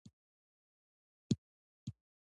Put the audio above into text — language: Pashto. دغه کتاب د عبدالباري جهاني لخوا لیکل شوی دی.